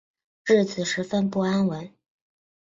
日子十分不安稳